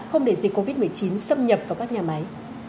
không để dịch covid một mươi chín xâm nhập vào các nhà máy